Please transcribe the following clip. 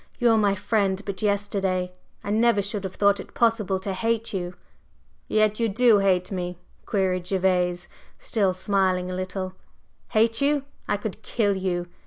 You were my friend but yesterday! I never should have thought it possible to hate you!" "Yet you do hate me?" queried Gervase, still smiling a little. "Hate you? I could kill you!